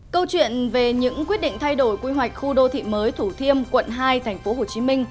câu chuyện về những quyết định thay đổi quy hoạch khu đô thị mới thủ thiêm quận hai tp hcm